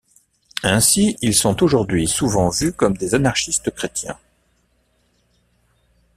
Ainsi, ils sont aujourd'hui souvent vus comme des anarchistes chrétiens.